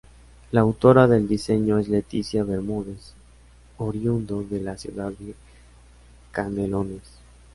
La autora del diseño es Leticia Bermúdez, oriundo de la ciudad de Canelones.